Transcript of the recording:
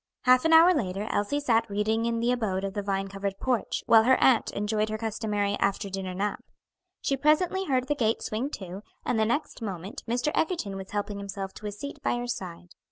Half an hour later, Elsie sat reading in the abode of the vine covered porch, while her aunt enjoyed her customary after dinner nap. She presently heard the gate swing to, and the next moment Mr. Egerton was helping himself to a seat by her side.